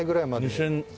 ２０００。